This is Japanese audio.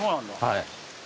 はい。